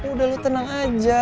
udah lu tenang aja